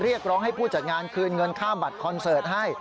เรียกร้องให้ผู้จัดงานคืนเงินค่าบัตรคอนเสิร์ตให้